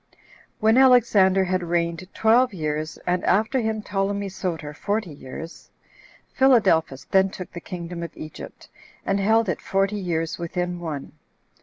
1. When Alexander had reigned twelve years, and after him Ptolemy Soter forty years, Philadelphus then took the kingdom of Egypt, and held it forty years within one.